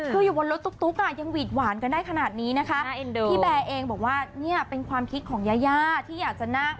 คืออยู่บนรถตุ๊กอ่ะยังหวีดหวานกันได้ขนาดนี้นะคะพี่แบร์เองบอกว่าเนี่ยเป็นความคิดของยายาที่อยากจะนั่ง